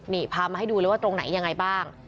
นี่พามาให้ดูเลยว่าตรงไหนยังไงบ้าง